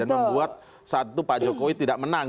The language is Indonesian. dan membuat saat itu pak jokowi tidak menang